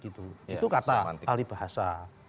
itu kata ahli bahasa